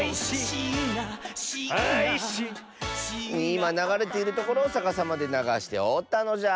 いまながれているところをさかさまでながしておったのじゃ。